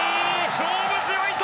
勝負強いぞ！